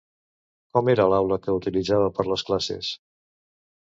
Com era l'aula que utilitzava per les classes?